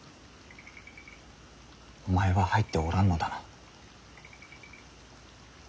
お前は入っておらんのだな。